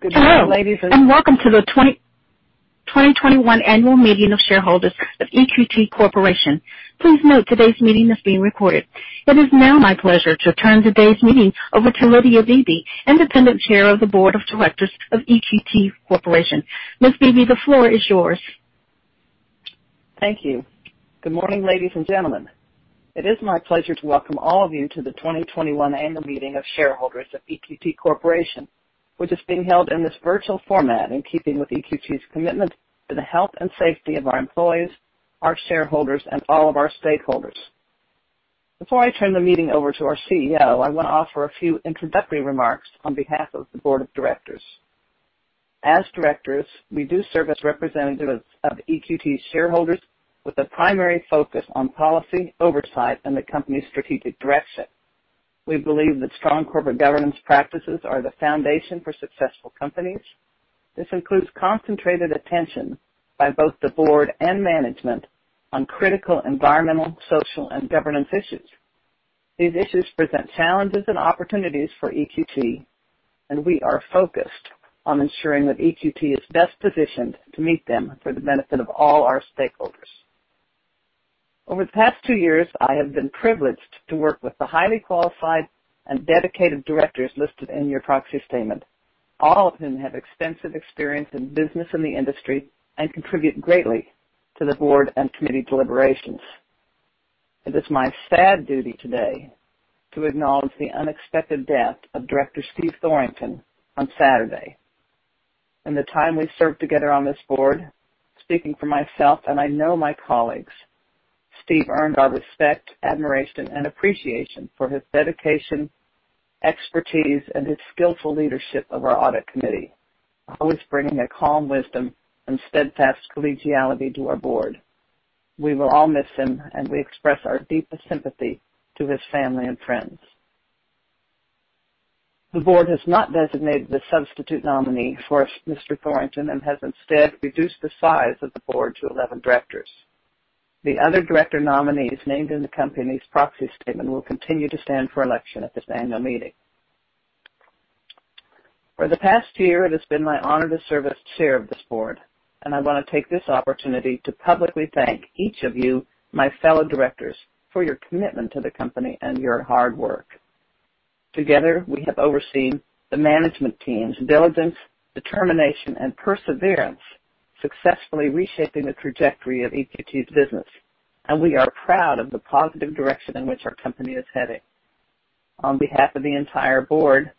Hello, and welcome to the 2021 Annual Meeting of Shareholders of EQT Corporation. Please note today's meeting is being recorded. It is now my pleasure to turn today's meeting over to Lydia Beebe, Independent Chair of the Board of Directors of EQT Corporation. Ms. Beebe, the floor is yours. Thank you. Good morning, ladies and gentlemen. It is my pleasure to welcome all of you to the 2021 annual meeting of shareholders of EQT Corporation, which is being held in this virtual format in keeping with EQT's commitment to the health and safety of our employees, our shareholders, and all of our stakeholders. Before I turn the meeting over to our CEO, I want to offer a few introductory remarks on behalf of the Board of Directors. As Directors, we do serve as representatives of EQT shareholders with a primary focus on policy oversight and the company's strategic direction. We believe that strong corporate governance practices are the foundation for successful companies. This includes concentrated attention by both the board and management on critical environmental, social, and governance issues. These issues present challenges and opportunities for EQT. We are focused on ensuring that EQT is best positioned to meet them for the benefit of all our stakeholders. Over the past two years, I have been privileged to work with the highly qualified and dedicated Directors listed in your proxy statement, all of whom have extensive experience in business in the industry and contribute greatly to the Board and Committee deliberations. It is my sad duty today to acknowledge the unexpected death of Director Steve Thorington on Saturday. In the time we served together on this Board, speaking for myself and I know my colleagues, Steve earned our respect, admiration, and appreciation for his dedication, expertise, and his skillful leadership of our Audit Committee, always bringing a calm wisdom and steadfast collegiality to our Board. We will all miss him, and we express our deepest sympathy to his family and friends. The board has not designated the substitute nominee for Mr. Thorington and has instead reduced the size of the board to 11 directors. The other director nominees named in the company's proxy statement will continue to stand for election at this annual meeting. For the past year, it has been my honor to serve as chair of this board, and I want to take this opportunity to publicly thank each of you, my fellow directors, for your commitment to the company and your hard work. Together, we have overseen the management team's diligence, determination, and perseverance, successfully reshaping the trajectory of EQT's business, and we are proud of the positive direction in which our company is heading. On behalf of the entire board,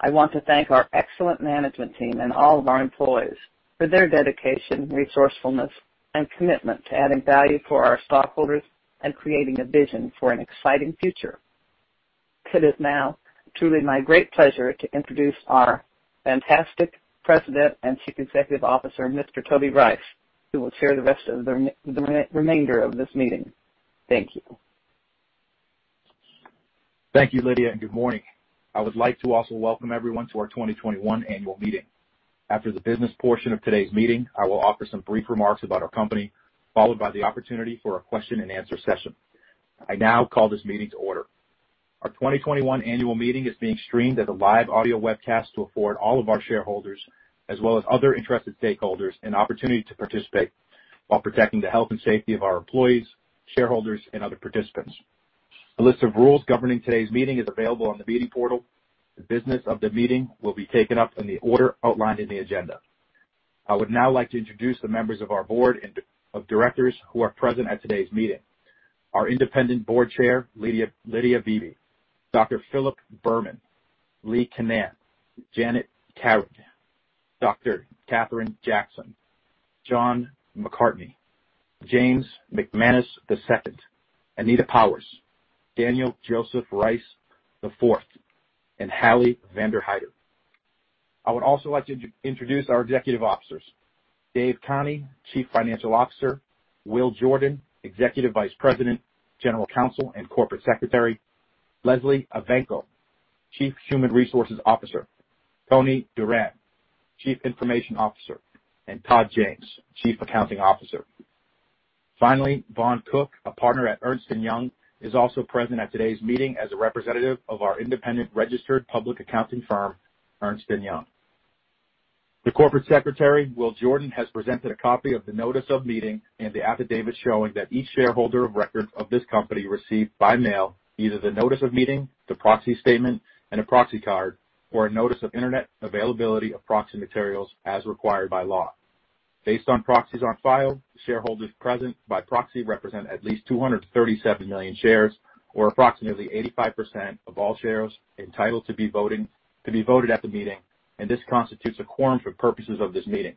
I want to thank our excellent management team and all of our employees for their dedication, resourcefulness, and commitment to adding value for our stockholders and creating a vision for an exciting future. It is now truly my great pleasure to introduce our fantastic President and Chief Executive Officer, Mr. Toby Rice, who will chair the rest of the remainder of this meeting. Thank you. Thank you, Lydia, and good morning. I would like to also welcome everyone to our 2021 annual meeting. After the business portion of today's meeting, I will offer some brief remarks about our company, followed by the opportunity for a question and answer session. I now call this meeting to order. Our 2021 annual meeting is being streamed as a live audio webcast to afford all of our shareholders, as well as other interested stakeholders, an opportunity to participate while protecting the health and safety of our employees, shareholders, and other participants. A list of rules governing today's meeting is available on the meeting portal. The business of the meeting will be taken up in the order outlined in the agenda. I would now like to introduce the members of our Board of Directors who are present at today's meeting. Our Independent Board Chair, Lydia Beebe, Dr. Philip Behrman, Lee Canaan, Janet Carrig, Dr. Kathryn Jackson, John McCartney, James T. McManus II, Anita M. Powers, Daniel J. Rice IV, and Hallie A. Vanderhider. I would also like to introduce our executive officers. Dave Khani, Chief Financial Officer, Will Jordan, Executive Vice President, General Counsel, and Corporate Secretary, Lesley Evancho, Chief Human Resources Officer, Tony Duran, Chief Information Officer, and Todd M. James, Chief Accounting Officer. Finally, Vaughn Cook, a Partner at Ernst & Young LLP, is also present at today's meeting as a representative of our independent registered public accounting firm, Ernst & Young LLP. The Corporate Secretary, Will Jordan, has presented a copy of the notice of meeting and the affidavit showing that each shareholder of record of this company received by mail either the notice of meeting, the proxy statement, and a proxy card, or a notice of Internet availability of proxy materials as required by law. Based on proxies on file, shareholders present by proxy represent at least 237 million shares or approximately 85% of all shares entitled to be voted at the meeting, and this constitutes a quorum for purposes of this meeting.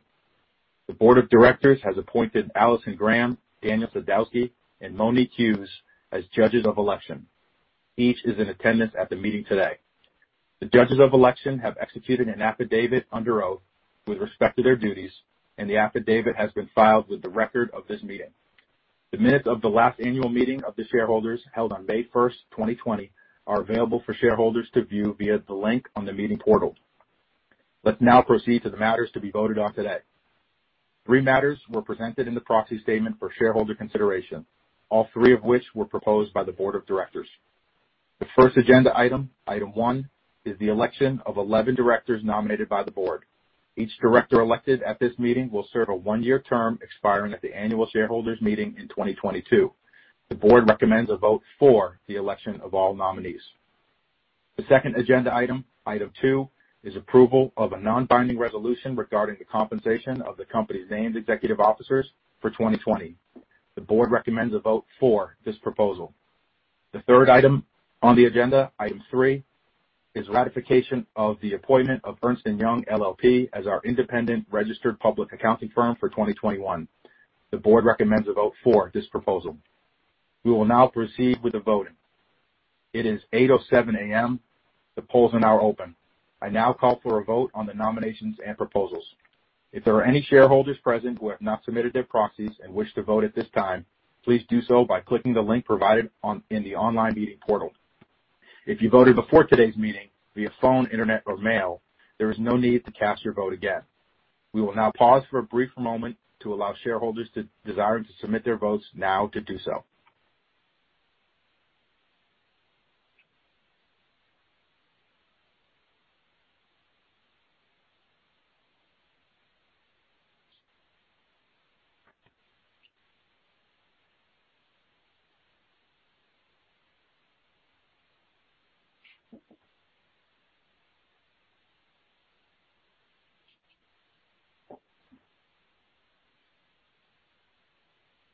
The Board of Directors has appointed Alison Graham, Daniel Sadowski, and Monique Hughes as judges of election. Each is in attendance at the meeting today. The judges of election have executed an affidavit under oath with respect to their duties, and the affidavit has been filed with the record of this meeting. The minutes of the last annual meeting of the shareholders held on May first, 2020, are available for shareholders to view via the link on the meeting portal. Let's now proceed to the matters to be voted on today. Three matters were presented in the proxy statement for shareholder consideration, all three of which were proposed by the Board of Directors. The first agenda item one, is the election of 11 directors nominated by the board. Each director elected at this meeting will serve a one-year term expiring at the annual shareholders' meeting in 2022. The board recommends a vote for the election of all nominees. The second agenda item two, is approval of a non-binding resolution regarding the compensation of the company's named executive officers for 2020. The board recommends a vote for this proposal. The third item on the agenda, item three, is ratification of the appointment of Ernst & Young LLP as our independent registered public accounting firm for 2021. The board recommends a vote for this proposal. We will now proceed with the voting. It is 8:07 A.M. The polls are now open. I now call for a vote on the nominations and proposals. If there are any shareholders present who have not submitted their proxies and wish to vote at this time, please do so by clicking the link provided in the online meeting portal. If you voted before today's meeting via phone, internet, or mail, there is no need to cast your vote again. We will now pause for a brief moment to allow shareholders desiring to submit their votes now to do so.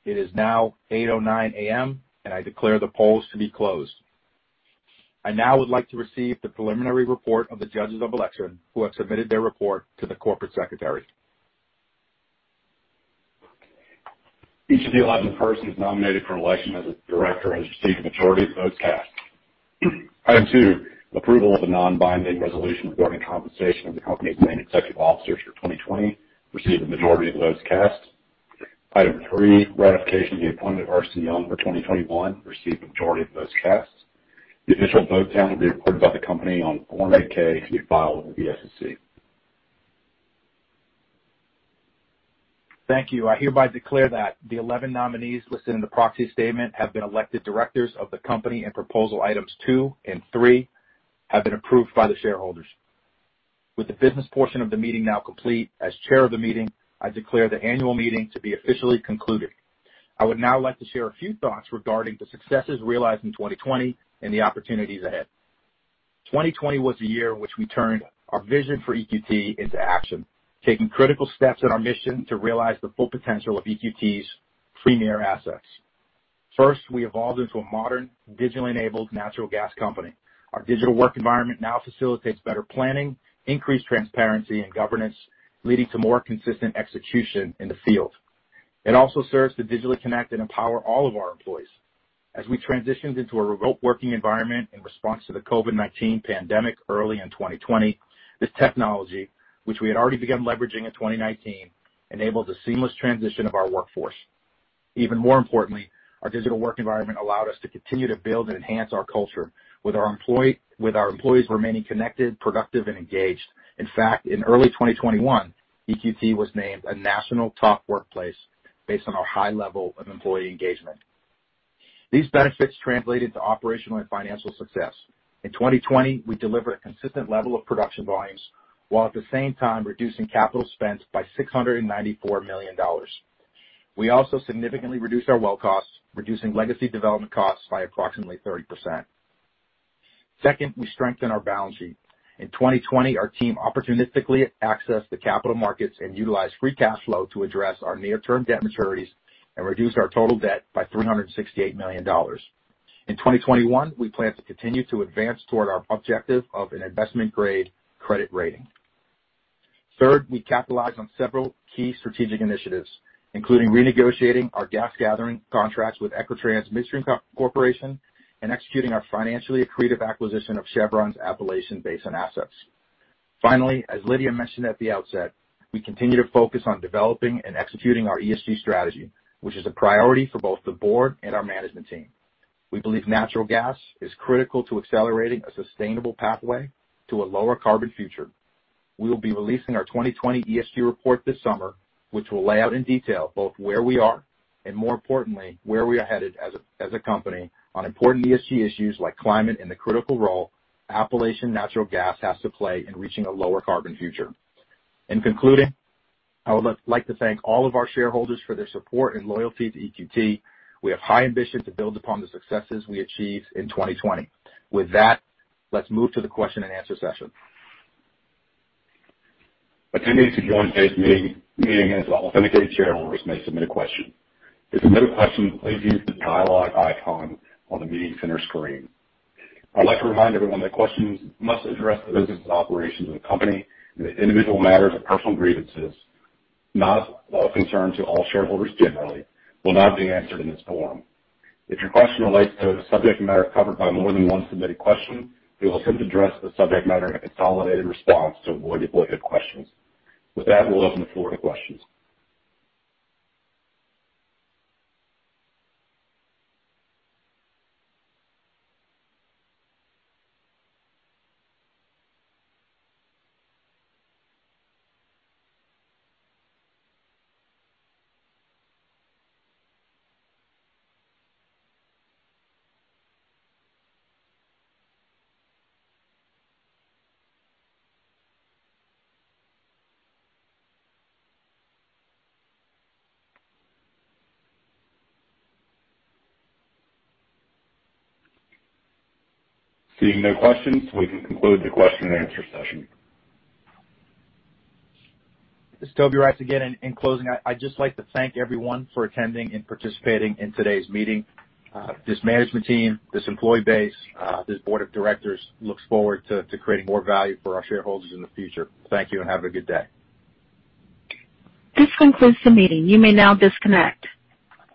It is now 8:09 A.M., and I declare the polls to be closed. I now would like to receive the preliminary report of the judges of election who have submitted their report to the Corporate Secretary. Each of the 11 persons nominated for election as a director has received a majority of votes cast. Item two, approval of the non-binding resolution regarding compensation of the company's named executive officers for 2020 received a majority of votes cast. Item three, ratification of the appointment of Ernst & Young for 2021 received a majority of votes cast. The official vote count will be recorded by the company on Form 8-K to be filed with the SEC. Thank you. I hereby declare that the 11 nominees listed in the proxy statement have been elected directors of the company, and proposal items two and three have been approved by the shareholders. With the business portion of the meeting now complete, as Chair of the meeting, I declare the annual meeting to be officially concluded. I would now like to share a few thoughts regarding the successes realized in 2020 and the opportunities ahead. 2020 was a year in which we turned our vision for EQT into action, taking critical steps in our mission to realize the full potential of EQT's premier assets. First, we evolved into a modern, digitally enabled natural gas company. Our digital work environment now facilitates better planning, increased transparency, and governance, leading to more consistent execution in the field. It also serves to digitally connect and empower all of our employees. As we transitioned into a remote working environment in response to the COVID-19 pandemic early in 2020, this technology, which we had already begun leveraging in 2019, enabled the seamless transition of our workforce. Even more importantly, our digital work environment allowed us to continue to build and enhance our culture with our employees remaining connected, productive, and engaged. In fact, in early 2021, EQT was named a national top workplace based on our high level of employee engagement. These benefits translated to operational and financial success. In 2020, we delivered a consistent level of production volumes, while at the same time reducing capital spend by $694 million. We also significantly reduced our well costs, reducing legacy development costs by approximately 30%. Second, we strengthened our balance sheet. In 2020, our team opportunistically accessed the capital markets and utilized free cash flow to address our near-term debt maturities and reduced our total debt by $368 million. In 2021, we plan to continue to advance toward our objective of an investment-grade credit rating. Third, we capitalized on several key strategic initiatives, including renegotiating our gas gathering contracts with Equitrans Midstream Corporation and executing our financially accretive acquisition of Chevron's Appalachian Basin assets. Finally, as Lydia mentioned at the outset, we continue to focus on developing and executing our ESG strategy, which is a priority for both the board and our management team. We believe natural gas is critical to accelerating a sustainable pathway to a lower carbon future. We will be releasing our 2020 ESG report this summer, which will lay out in detail both where we are and, more importantly, where we are headed as a company on important ESG issues like climate and the critical role Appalachian natural gas has to play in reaching a lower carbon future. In concluding, I would like to thank all of our shareholders for their support and loyalty to EQT. We have high ambition to build upon the successes we achieved in 2020. With that, let's move to the question and answer session. Attendees who joined today's meeting as authenticated shareholders may submit a question. To submit a question, please use the dialogue icon on the meeting center screen. I'd like to remind everyone that questions must address the business operations of the company, and that individual matters of personal grievances not of concern to all shareholders generally will not be answered in this forum. If your question relates to a subject matter covered by more than one submitted question, we will simply address the subject matter in a consolidated response to avoid duplicate questions. With that, we'll open the floor to questions. Seeing no questions, we can conclude the question and answer session. This is Toby Rice again. In closing, I'd just like to thank everyone for attending and participating in today's meeting. This management team, this employee base, this Board of Directors looks forward to creating more value for our shareholders in the future. Thank you, and have a good day. This concludes the meeting. You may now disconnect.